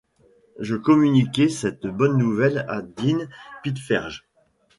Je communiquai cette bonne nouvelle à Dean Pitferge.